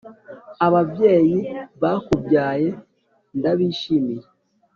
Ababyeyi bakubyaye ndabishimiye